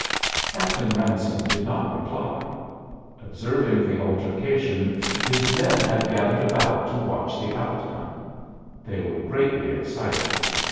Captain Ransome did not reply. Observing the altercation his men had gathered about to watch the outcome. They were greatly excited.